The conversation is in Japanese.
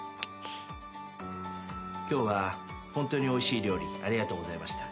今日は本当においしい料理ありがとうございました。